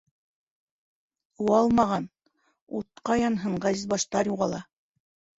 Ыуалмаған, утҡа янһын, ғәзиз баштар юғала.